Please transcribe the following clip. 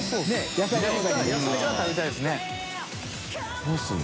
野菜側食べたいですね。